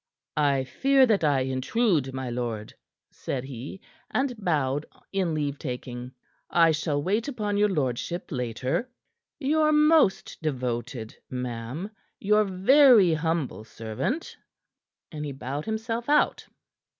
"I fear that I intrude, my lord," said he, and bowed in leave taking. "I shall wait upon your lordship later. Your most devoted. Ma'am, your very humble servant." And he bowed himself out.